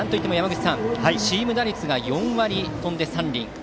チーム打率が４割飛んで３厘。